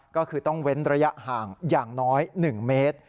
ก็คือต้องเว้นระยะห่างอย่างน้อย๑เมตร